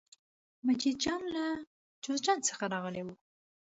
مجید جان له جوزجان څخه راغلی و.